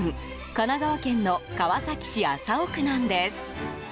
神奈川県の川崎市麻生区なんです。